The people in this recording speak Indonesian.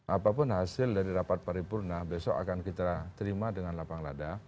apapun hasil dari rapat paripurna besok akan kita terima dengan lapang lada